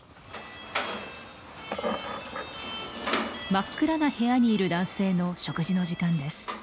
真っ暗な部屋にいる男性の食事の時間です。